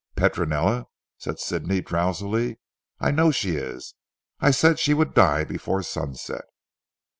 "Petronella," said Sidney drowsily, "I know she is. I said she would die before sunset."